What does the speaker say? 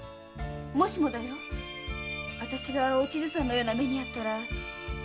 もしもだよあたしがお千津さんのような目に遭ったらどう思う？